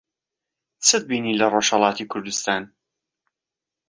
چیت بینی لە ڕۆژھەڵاتی کوردستان؟